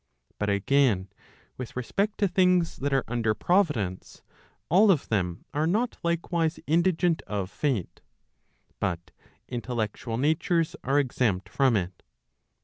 But again, with respect to things that are under Providence, all of them are not likewise indigent of Fate, but intellectual natures are exempt from it.